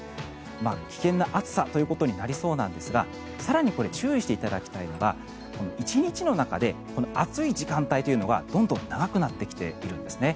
危険な暑さということになりそうなんですが更に注意していただきたいのが１日の中で暑い時間帯というのがどんどん長くなってきてるんですね。